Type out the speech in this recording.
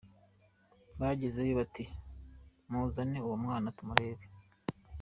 Bagezeyo bati: “muzane uwo mwana tumurebe”.